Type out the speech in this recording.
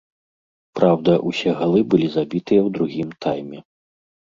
Праўда, усе галы былі забітыя ў другім тайме.